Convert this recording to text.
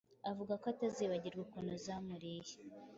Avuga ko atazibagirwa ukuntu zamuriye